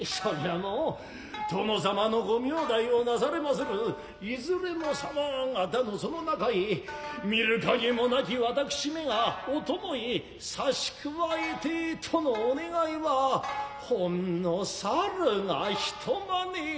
もう殿様の御名代をなされまするいずれの様方のその中へ見る陰もなき私めがお供へ差し加えてとのお願いはほんの猿が人真似。